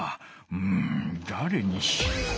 うんだれにしよう？